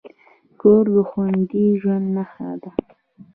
کور د خوندي ژوند نښه ده.